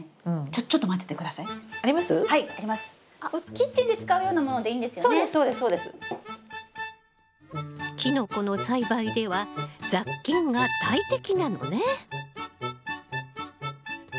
キノコの栽培では雑菌が大敵なのね！